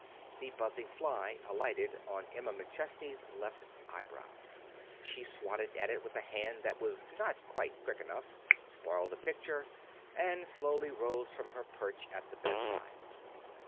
The buzzing fly alighted on Emma McChesney's left eyebrow. She swatted it with a hand that was not quite quick enough, spoiled the picture, and slowly rose from her perch at the bedside.